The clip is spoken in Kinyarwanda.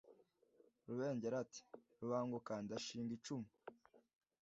rubengera iti: rubanguka ndashinga icumu